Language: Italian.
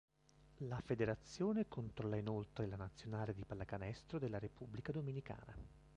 La federazione controlla inoltre la nazionale di pallacanestro della Repubblica Dominicana.